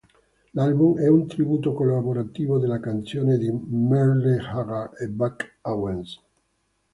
L'album è un tributo collaborativo delle canzoni di Merle Haggard e Buck Owens.